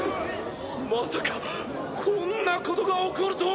まさかこんなことが起こるとは！